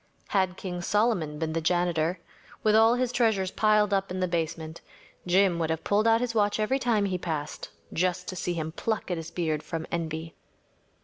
Had King Solomon been the janitor, with all his treasures piled up in the basement, Jim would have pulled out his watch every time he passed, just to see him pluck at his beard from envy.